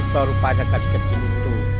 oh ini tuh rupanya gadis kecil itu